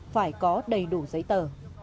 phải có đầy đủ giấy tờ